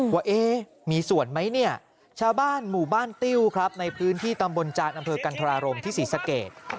ว่ามีส่วนไหมเนี่ยชาวบ้านหมู่บ้านติ้วครับในพื้นที่ตำบลจานอำเภอกันธรารมที่ศรีสะเกด